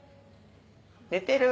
寝てる？